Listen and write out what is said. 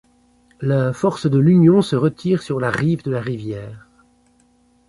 La force de l'Union se retire sur la rive de la rivière.